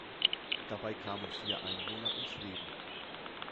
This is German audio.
Dabei kamen vier Einwohner ums Leben.